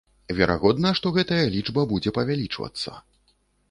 Верагодна, што гэтая лічба будзе павялічвацца.